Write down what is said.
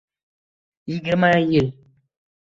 Yigirma yil